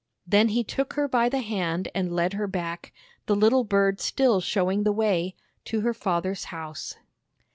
Then he took her by the hand and led her back, the little bird still showing the way, to her father's house.